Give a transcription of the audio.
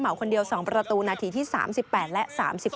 คนเดียว๒ประตูนาทีที่๓๘และ๓๒